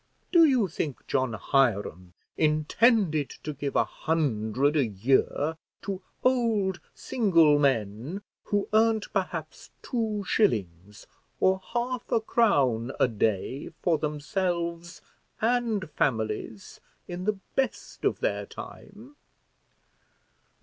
Do you think John Hiram intended to give a hundred a year to old single men, who earned perhaps two shillings or half a crown a day for themselves and families in the best of their time?